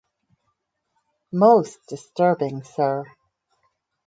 Most disturbing, sir.